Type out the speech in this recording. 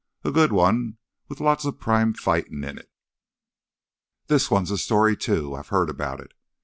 A good one with lots of prime fightin' in it. This one's a story, too. I've heard about it ...